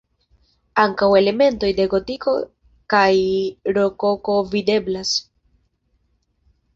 Ankaŭ elementoj de gotiko kaj rokoko videblas.